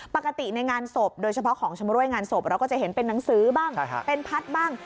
ปกติในงานศพโดยเฉพาะของชำรวยงานศพเราก็จะเห็นเป็นหนังสือบ้างเป็นพัดบ้าง